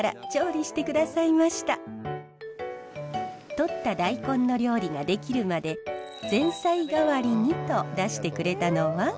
とったダイコンの料理が出来るまで前菜代わりにと出してくれたのは。